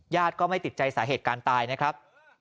ก็ไม่ติดใจสาเหตุการณ์ตายนะครับ